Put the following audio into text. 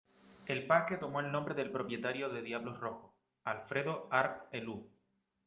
El parque tomó el nombre del propietario de Diablos Rojos, Alfredo Harp Helú.